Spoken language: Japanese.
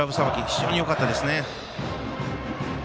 非常によかったですね。